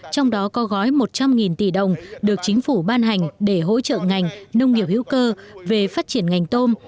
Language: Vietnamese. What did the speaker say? trong đó có gói một trăm linh tỷ đồng được chính phủ ban hành để hỗ trợ ngành nông nghiệp hữu cơ về phát triển ngành tôm